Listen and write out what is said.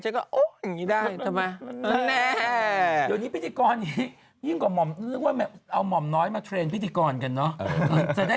ฉันก็โอ้ยเอาอย่างงี้ได้ทำไม